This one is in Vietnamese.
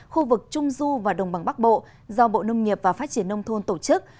khu vực trung du và đồng bằng bắc bộ do bộ nông nghiệp và phát triển nông thôn tổ chức